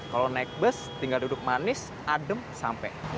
kalau naik bus tinggal duduk manis adem sampai